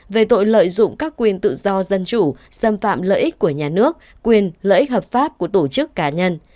về tội lợi dụng các quyền tự do dân chủ xâm phạm lợi ích của nhà nước quyền lợi ích hợp pháp của tổ chức cá nhân